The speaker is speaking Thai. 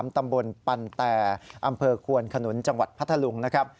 ตำบลปันแต่อำเภอควนขนุนจังหวัดพัทธลุงนะครับ